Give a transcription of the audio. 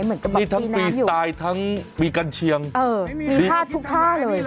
เหมือนกับฝีน้ำทั้งฟีสไตล์ทั้งมีกันเชียงเออมีพลาดที่กับมาเลย